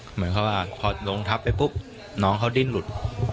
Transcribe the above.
เหมือนเขาว่าพอลงทับไปปุ๊บน้องเขาดิ้นหลุด